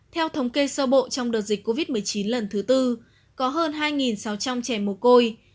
theo thống kê sơ bộ trong đợt dịch covid một mươi chín lần thứ tư có hơn hai sáu trăm linh trẻ mồ côi